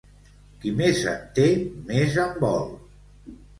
Qui més en té, més en vol.